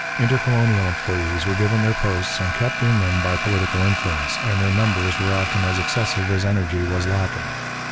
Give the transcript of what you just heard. Intercolonial employees were given their posts and kept in them by political influence, and their numbers were often as excessive as energy was lacking.